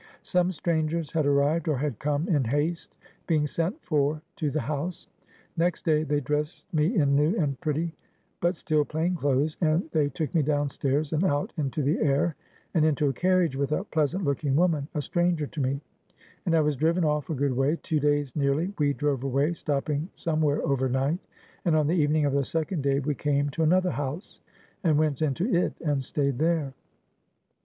Some strangers had arrived; or had come in haste, being sent for to the house. Next day they dressed me in new and pretty, but still plain clothes, and they took me down stairs, and out into the air, and into a carriage with a pleasant looking woman, a stranger to me; and I was driven off a good way, two days nearly we drove away, stopping somewhere over night; and on the evening of the second day we came to another house, and went into it, and stayed there.